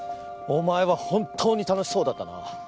お前は本当に楽しそうだったな。